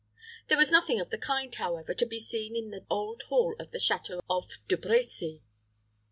There was nothing of the kind, however, to be seen in the old hall of the château of De Brecy.